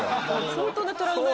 相当なトラウマ。